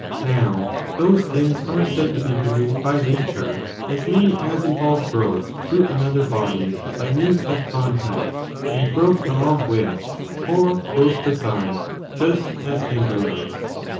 Now, those things are said to be produced by Nature as many as involve growth through another body, by means of contact and growth along with, or growth beside, just as embryos.